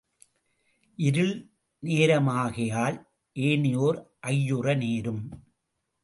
இருள் நேரமாகையால் ஏனையோர் ஐயுற நேரும்.